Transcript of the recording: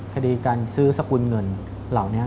คดีการซื้อสกุลเงินเหล่านี้